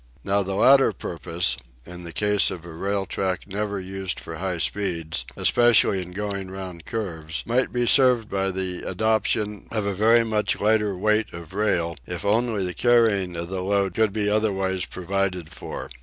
Now the latter purpose in the case of a rail track never used for high speeds, especially in going round curves might be served by the adoption of a very much lighter weight of rail, if only the carrying of the load could be otherwise provided for.